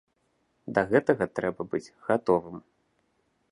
Да гэтага трэба быць гатовым.